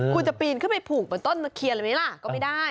คุณจะปีนขึ้นไปผูกเป็นต้นตะเคียนอะไรแบบนี้ล่ะก็ไม่ได้